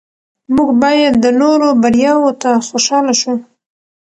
موږ باید د نورو بریاوو ته خوشحاله شو